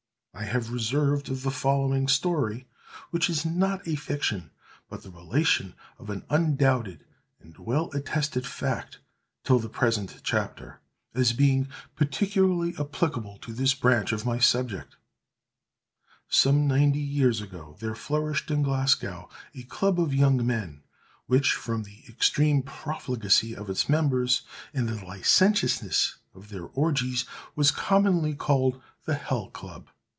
I have reserved the following story, which is not a fiction, but the relation of an undoubted and well attested fact, till the present chapter, as being particularly applicable to this branch of my subject:— Some ninety years ago, there flourished in Glasgow a club of young men, which, from the extreme profligacy of its members, and the licentiousness of their orgies, was commonly called the "Hell Club!"